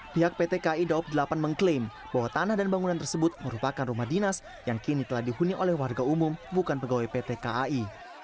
pihak pt kai daob delapan mengklaim bahwa tanah dan bangunan tersebut merupakan rumah dinas yang kini telah dihuni oleh warga umum bukan pegawai pt kai